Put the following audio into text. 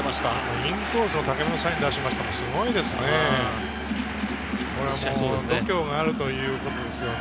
インコースのサインを出しましたけど、すごいですよね。